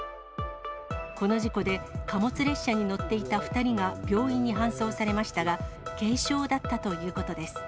この事故で、貨物列車に乗っていた２人が病院に搬送されましたが、軽傷だったということです。